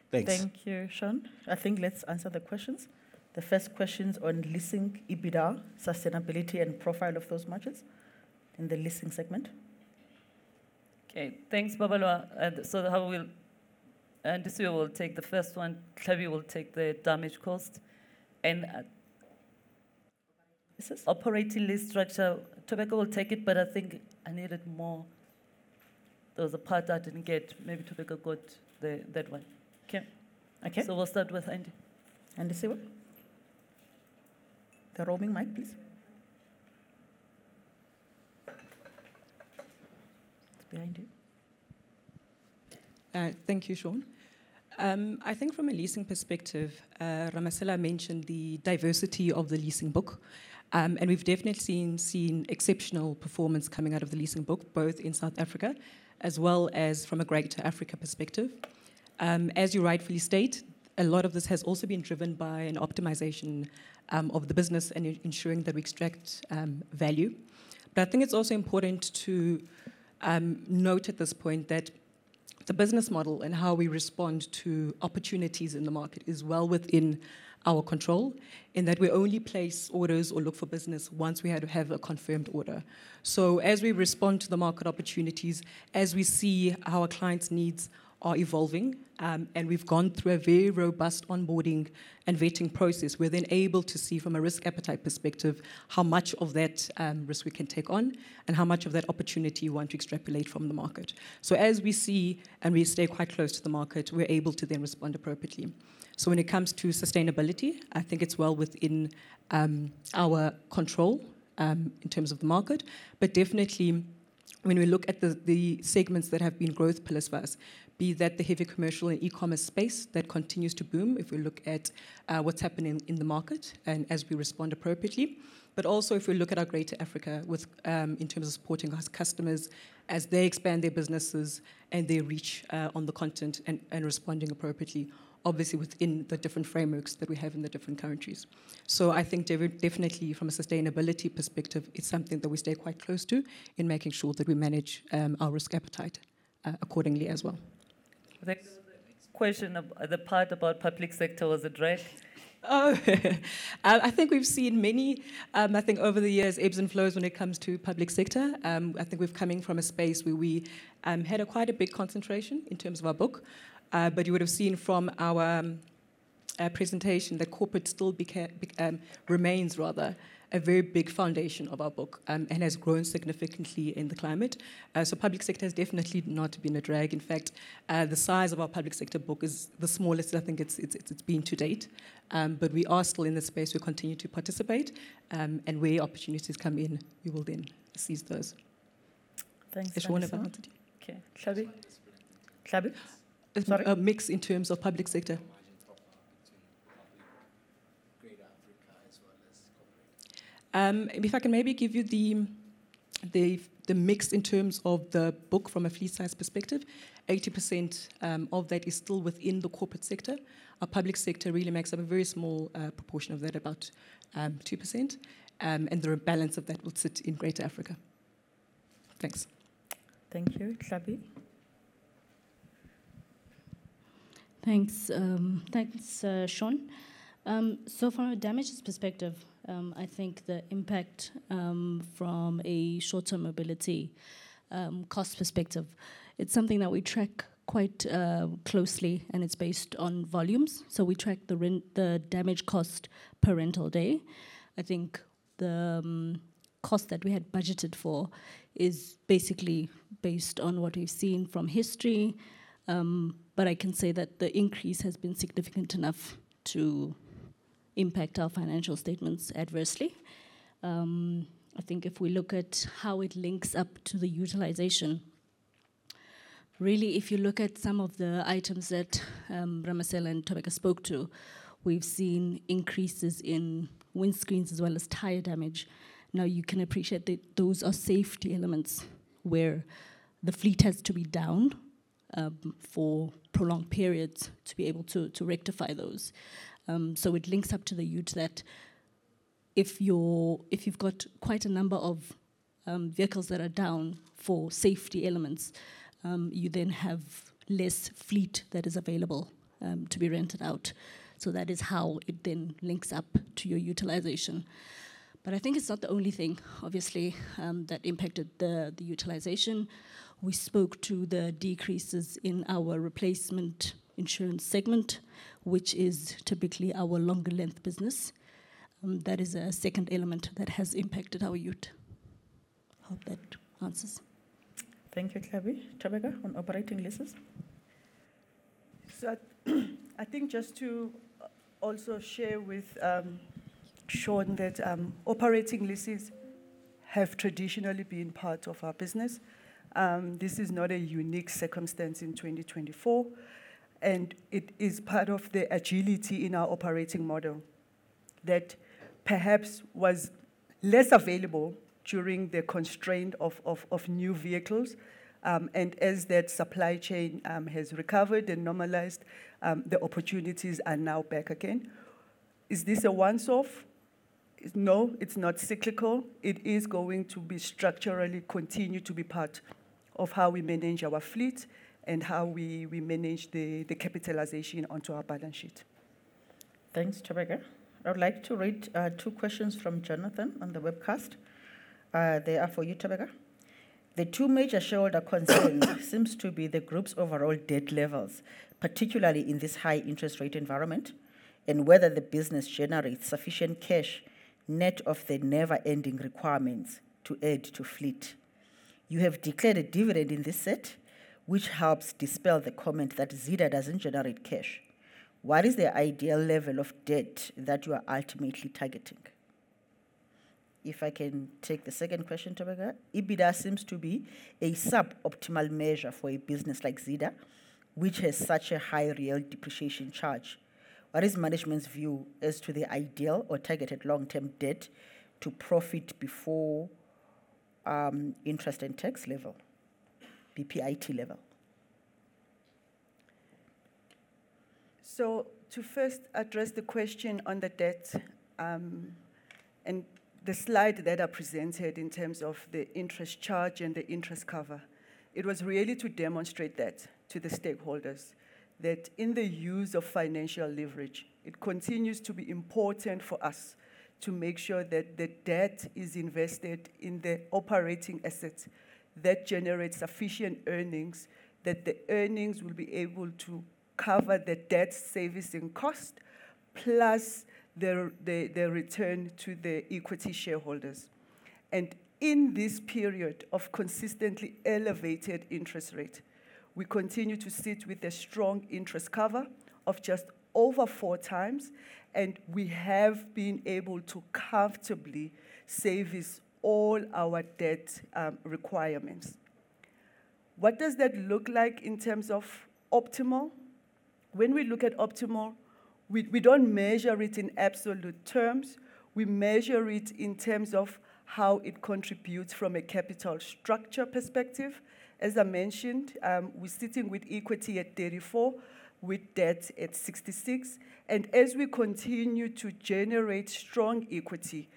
Thanks. Thank you, Sean. I think, let's answer the questions. The first question's on leasing EBITDA, sustainability, and profile of those margins in the leasing segment. Okay, thanks, Babalwa. So, Andisiwe will take the first one, Tlhabi will take the damage cost and operating lease structure, Thobeka will take it, but I think I need it more. There was a part I didn't get. Maybe Thobeka got that one. Okay. Okay. We'll start with Andy. Andisiwe? The roaming mic, please. It's behind you. Thank you, Sean. I think from a leasing perspective, Ramasela mentioned the diversity of the leasing book. And we've definitely seen exceptional performance coming out of the leasing book, both in South Africa as well as from a Greater Africa perspective. As you rightfully state, a lot of this has also been driven by an optimization of the business and ensuring that we extract value. But I think it's also important to note at this point that the business model and how we respond to opportunities in the market is well within our control, in that we only place orders or look for business once we had to have a confirmed order. So as we respond to the market opportunities, as we see our clients' needs are evolving, and we've gone through a very robust onboarding and vetting process, we're then able to see from a risk appetite perspective, how much of that risk we can take on, and how much of that opportunity we want to extrapolate from the market. So as we see, and we stay quite close to the market, we're able to then respond appropriately. So when it comes to sustainability, I think it's well within our control, in terms of the market. But definitely, when we look at the segments that have been growth pillars for us, be that the heavy commercial and e-commerce space, that continues to boom, if we look at what's happening in the market and as we respond appropriately. But also, if we look at our Greater Africa with, in terms of supporting our customers as they expand their businesses and their reach, on the continent and responding appropriately, obviously, within the different frameworks that we have in the different countries. So I think definitely from a sustainability perspective, it's something that we stay quite close to in making sure that we manage, our risk appetite, accordingly as well. Thanks. Question: Of the part about public sector, was a drag? Oh, I think we've seen many, I think over the years, ebbs and flows when it comes to public sector. I think we've coming from a space where we had quite a big concentration in terms of our book. But you would have seen from our presentation that corporate still remains rather a very big foundation of our book, and has grown significantly in the climate. So public sector has definitely not been a drag. In fact, the size of our public sector book is the smallest I think it's been to date. But we are still in the space, we continue to participate, and where opportunities come in, we will then seize those. Thanks. Is there one other? Okay. Tlhabi? Tlhabi, sorry. A mix in terms of public sector. Margin profile between public Greater Africa as well as corporate. If I can maybe give you the mix in terms of the book from a fleet size perspective, 80% of that is still within the corporate sector. Our public sector really makes up a very small proportion of that, about 2%, and the balance of that would sit in Greater Africa. Thanks. Thank you. Tlhabi? Thanks, thanks, Sean. So from a damages perspective, I think the impact, from a short-term mobility, cost perspective, it's something that we track quite, closely, and it's based on volumes, so we track the damage cost per rental day. I think the cost that we had budgeted for is basically based on what we've seen from history, but I can say that the increase has been significant enough to impact our financial statements adversely. I think if we look at how it links up to the utilization, really, if you look at some of the items that, Ramasela and Thobeka spoke to, we've seen increases in windscreens as well as tire damage. Now, you can appreciate that those are safety elements, where the fleet has to be down, for prolonged periods to be able to rectify those. So it links up to the utilization that if you've got quite a number of vehicles that are down for safety elements, you then have less fleet that is available to be rented out. So that is how it then links up to your utilization. But I think it's not the only thing, obviously, that impacted the utilization. We spoke to the decreases in our replacement insurance segment, which is typically our longer length business. That is a second element that has impacted our utilization. I hope that answers. Thank you, Tlhabi. Thobeka, on operating leases?... So, I think just to also share with Sean that operating leases have traditionally been part of our business. This is not a unique circumstance in 2024, and it is part of the agility in our operating model that perhaps was less available during the constraint of new vehicles. And as that supply chain has recovered and normalized, the opportunities are now back again. Is this a once off? No, it's not cyclical. It is going to be structurally continue to be part of how we manage our fleet and how we manage the capitalization onto our balance sheet. Thanks, Thobeka. I would like to read two questions from Jonathan on the webcast. They are for you, Thobeka. The two major shareholder concern seems to be the group's overall debt levels, particularly in this high interest rate environment, and whether the business generates sufficient cash net of the never-ending requirements to add to fleet. You have declared a dividend in this set, which helps dispel the comment that Zeda doesn't generate cash. What is the ideal level of debt that you are ultimately targeting? If I can take the second question, Thobeka, EBITDA seems to be a sub-optimal measure for a business like Zeda, which has such a high real depreciation charge. What is management's view as to the ideal or targeted long-term debt to profit before, interest and tax level, PBIT level? So, to first address the question on the debt, and the slide that I presented in terms of the interest charge and the interest cover, it was really to demonstrate that to the stakeholders, that in the use of financial leverage, it continues to be important for us to make sure that the debt is invested in the operating assets that generate sufficient earnings, that the earnings will be able to cover the debt servicing cost, plus the return to the equity shareholders. And in this period of consistently elevated interest rate, we continue to sit with a strong interest cover of just over four times, and we have been able to comfortably service all our debt requirements. What does that look like in terms of optimal? When we look at optimal, we don't measure it in absolute terms, we measure it in terms of how it contributes from a capital structure perspective. As I mentioned, we're sitting with equity at 34, with debt at 66, and as we continue to generate strong equity,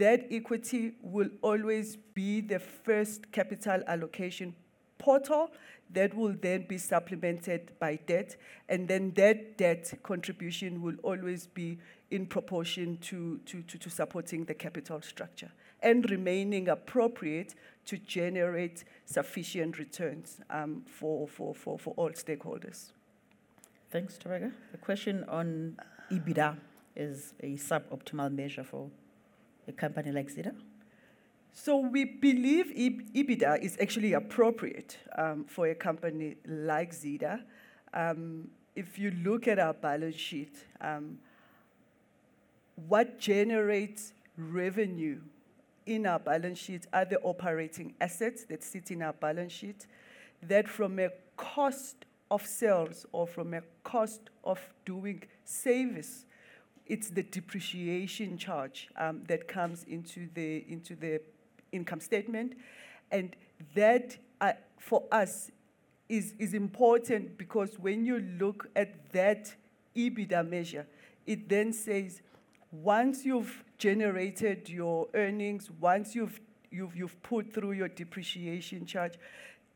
that equity will always be the first capital allocation portal that will then be supplemented by debt, and then that debt contribution will always be in proportion to supporting the capital structure, and remaining appropriate to generate sufficient returns, for all stakeholders. Thanks, Thobeka. The question on EBITDA is a sub-optimal measure for a company like Zeda? So we believe EBITDA is actually appropriate for a company like Zeda. If you look at our balance sheet, what generates revenue in our balance sheet are the operating assets that sit in our balance sheet, that from a cost of sales or from a cost of doing service, it's the depreciation charge that comes into the, into the income statement. And that, for us, is important because when you look at that EBITDA measure, it then says: Once you've generated your earnings, once you've put through your depreciation charge,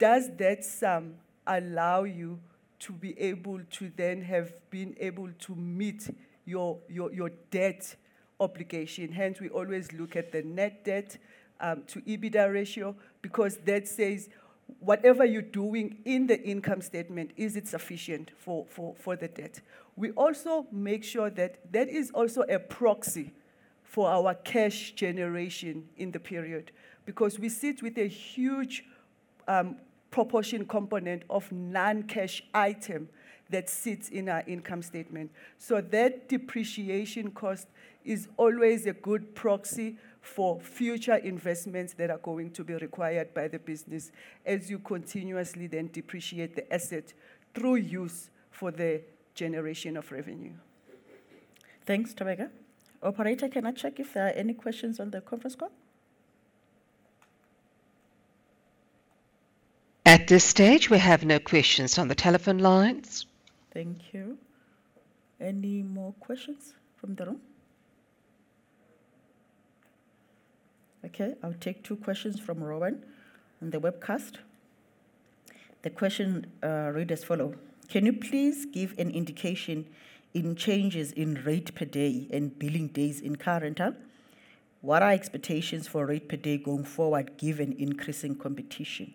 does that sum allow you to be able to then have been able to meet your debt obligation? Hence, we always look at the net debt to EBITDA ratio, because that says whatever you're doing in the income statement, is it sufficient for the debt? We also make sure that that is also a proxy for our cash generation in the period, because we sit with a huge proportion component of non-cash item that sits in our income statement. That depreciation cost is always a good proxy for future investments that are going to be required by the business as you continuously then depreciate the asset through use for the generation of revenue. Thanks, Thobeka. Operator, can I check if there are any questions on the conference call? At this stage, we have no questions on the telephone lines. Thank you. Any more questions from the room? Okay, I'll take two questions from Rowan on the webcast. The question reads as follows: Can you please give an indication in changes in rate per day and billing days in car rental? What are expectations for rate per day going forward, given increasing competition?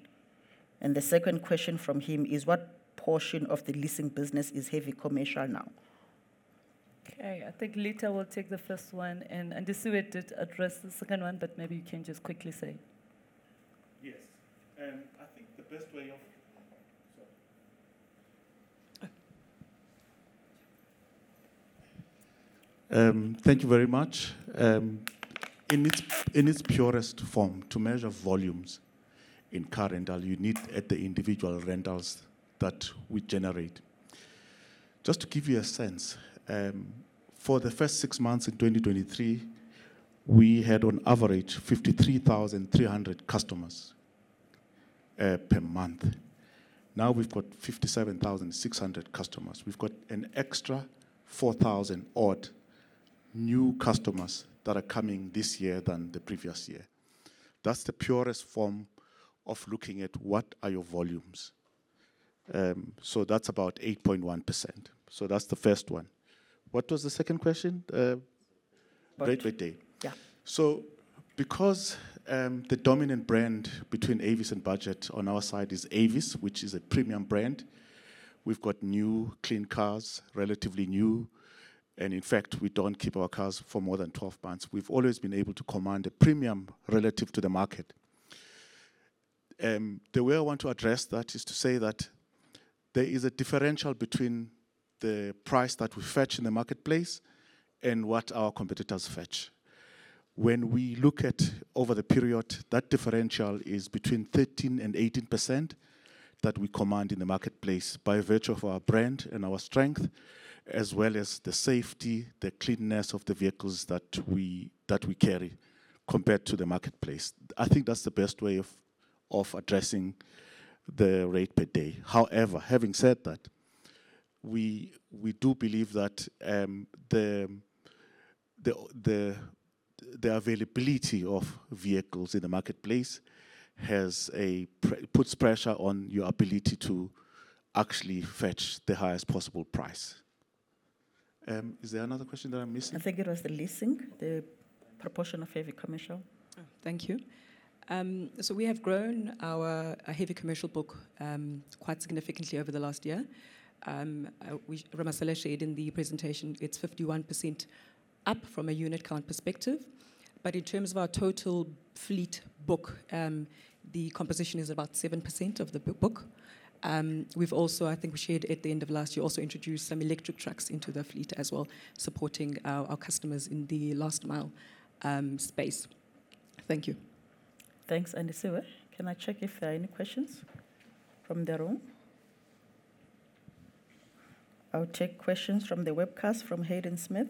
And the second question from him is: What portion of the leasing business is heavy commercial now? Okay, I think Lita will take the first one, and Andisiwe did address the second one, but maybe you can just quickly say. Yes, I think the best way of. Thank you very much. In its purest form, to measure volumes in car rental, you need at the individual rentals that we generate. Just to give you a sense, for the first six months in 2023, we had on average 53,300 customers per month. Now we've got 57,600 customers. We've got an extra 4,000 odd new customers that are coming this year than the previous year. That's the purest form of looking at what are your volumes. So that's about 8.1%. So that's the first one. What was the second question? Rate per day. Yeah. Because the dominant brand between Avis and Budget on our side is Avis, which is a premium brand, we've got new, clean cars, relatively new, and in fact, we don't keep our cars for more than 12 months. We've always been able to command a premium relative to the market. The way I want to address that is to say that there is a differential between the price that we fetch in the marketplace and what our competitors fetch. When we look at over the period, that differential is between 13% and 18% that we command in the marketplace by virtue of our brand and our strength, as well as the safety, the cleanliness of the vehicles that we carry compared to the marketplace. I think that's the best way of addressing the rate per day. However, having said that, we do believe that the availability of vehicles in the marketplace puts pressure on your ability to actually fetch the highest possible price. Is there another question that I'm missing? I think it was the leasing, the proportion of heavy commercial. Oh, thank you. So we have grown our heavy commercial book quite significantly over the last year. Ramasela shared in the presentation, it's 51% up from a unit count perspective. But in terms of our total fleet book, the composition is about 7% of the book. We've also, I think we shared at the end of last year, also introduced some electric trucks into the fleet as well, supporting our customers in the last mile space. Thank you. Thanks, Andisiwe. Can I check if there are any questions from the room? I'll take questions from the webcast, from Hayden Smith.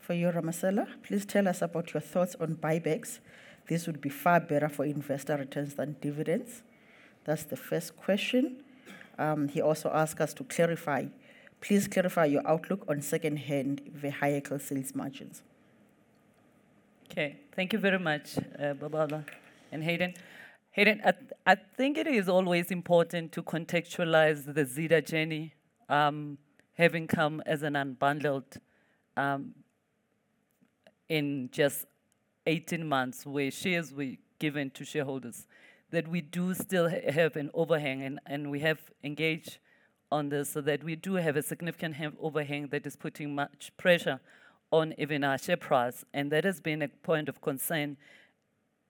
For you, Ramasela: "Please tell us about your thoughts on buybacks. This would be far better for investor returns than dividends." That's the first question. He also asked us to clarify: "Please clarify your outlook on second-hand vehicle sales margins. Okay. Thank you very much, Babalwa and Hayden. Hayden, I think it is always important to contextualize the Zeda journey. Having come as an unbundled, in just 18 months, where shares were given to shareholders, that we do still have an overhang, and we have engaged on this so that we do have a significant overhang that is putting much pressure on even our share price, and that has been a point of concern,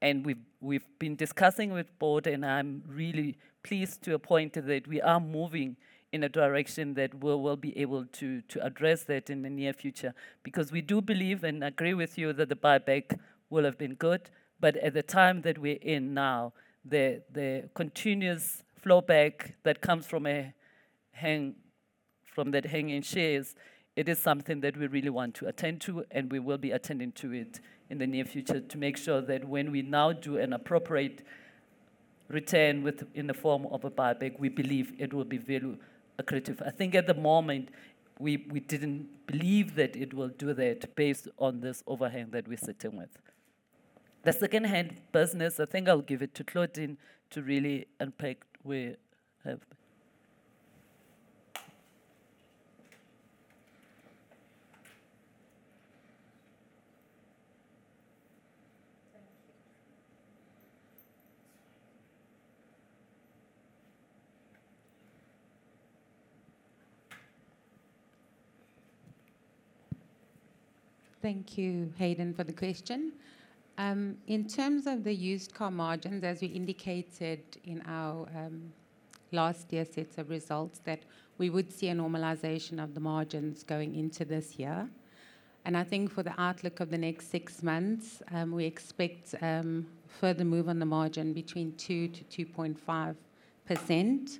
and we've been discussing with board, and I'm really pleased to appoint that we are moving in a direction that we will be able to address that in the near future. Because we do believe and agree with you that the buyback will have been good, but at the time that we're in now, the continuous flow back that comes from that hanging shares, it is something that we really want to attend to, and we will be attending to it in the near future, to make sure that when we now do an appropriate return within the form of a buyback, we believe it will be very accretive. I think at the moment, we didn't believe that it will do that based on this overhang that we're sitting with. The second-hand business, I think I'll give it to Claudine to really unpack where have... Thank you, Hayden, for the question. In terms of the used car margins, as we indicated in our last year's sets of results, that we would see a normalization of the margins going into this year. I think for the outlook of the next six months, we expect further move on the margin between 2%-2.5%.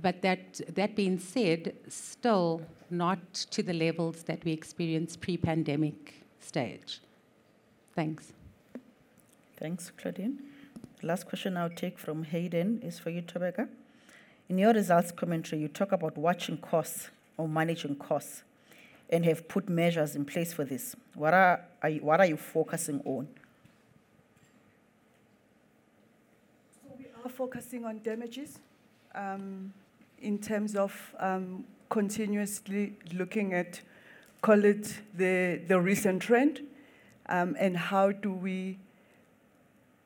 But that being said, still not to the levels that we experienced pre-pandemic stage. Thanks. Thanks, Claudine. Last question I'll take from Hayden is for you, Thobeka: "In your results commentary, you talk about watching costs or managing costs and have put measures in place for this. What are you focusing on? So we are focusing on damages in terms of continuously looking at, call it, the recent trend, and how do we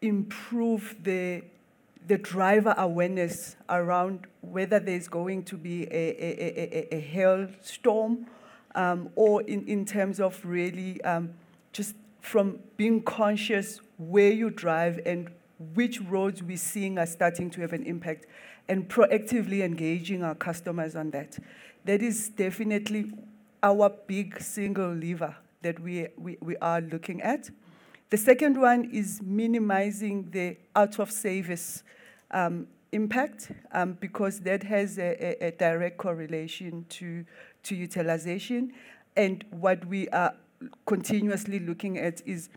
improve the driver awareness around whether there's going to be a hailstorm, or in terms of really just from being conscious where you drive and which roads we're seeing are starting to have an impact, and proactively engaging our customers on that. That is definitely our big single lever that we are looking at. The second one is minimizing the out-of-service impact because that has a direct correlation to utilization. What we are continuously looking at is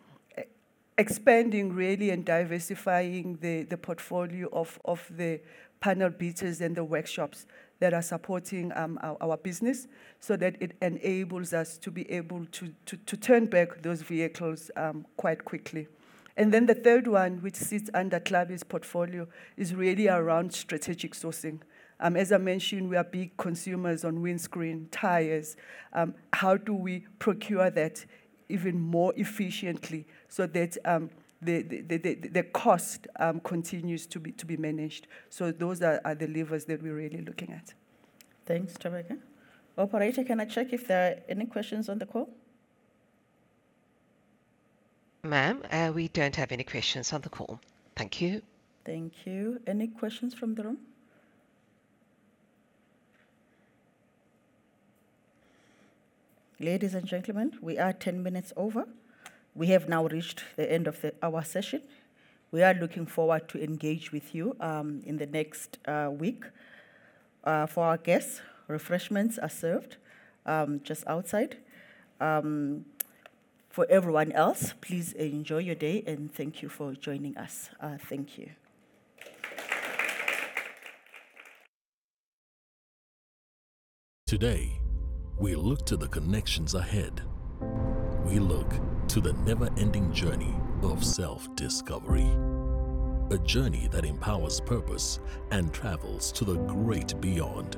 expanding really and diversifying the portfolio of the panel beaters and the workshops that are supporting our business, so that it enables us to be able to turn back those vehicles quite quickly. Then the third one, which sits under Claudine's portfolio, is really around strategic sourcing. As I mentioned, we are big consumers on windscreens, tires. How do we procure that even more efficiently so that the cost continues to be managed? Those are the levers that we're really looking at. Thanks, Thobeka. Operator, can I check if there are any questions on the call? Ma'am, we don't have any questions on the call. Thank you. Thank you. Any questions from the room? Ladies and gentlemen, we are 10 minutes over. We have now reached the end of our session. We are looking forward to engage with you in the next week. For our guests, refreshments are served just outside. For everyone else, please enjoy your day, and thank you for joining us. Thank you. Today, we look to the connections ahead. We look to the never-ending journey of self-discovery, a journey that empowers purpose and travels to the great beyond.